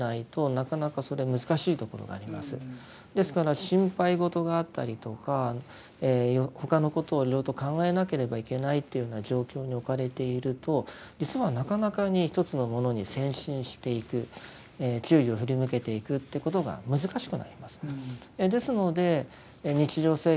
ですから心配事があったりとか他のことをいろいろと考えなければいけないというような状況に置かれていると実はなかなかに一つのものに専心していく注意を振り向けていくってことが難しくなります。